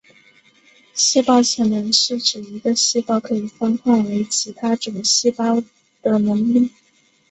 细胞潜能是指一个细胞可以分化为其他种细胞的能力。